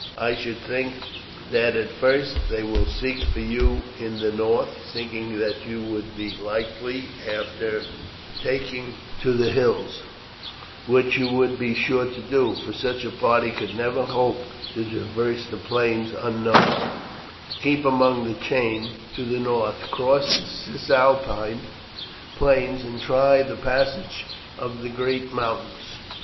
I should think that, at first, they will seek for you in the north, thinking that you would be likely, after taking to the hills which you would be sure to do, for such a party could never hope to traverse the plains unnoticed to keep along the chain to the north, cross the Cisalpine plains, and try the passage of the great mountains."